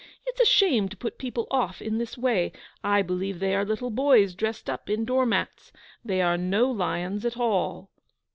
It is a shame to put people off in this way. I believe they are little boys dressed up in door mats. They are no lions at all.